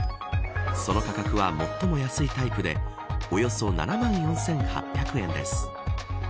その価格は、最も安いタイプでおよそ７万４８００円です。